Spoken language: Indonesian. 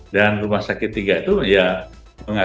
dan rumah sakit vertikal itu diberikan satu teguran dasar